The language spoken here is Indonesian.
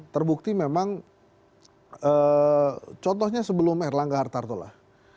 terbukti memang contohnya sebelum erlangga hartarto lah